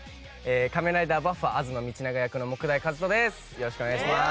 仮面ライダーバッファ吾妻道長役の杢代和人です。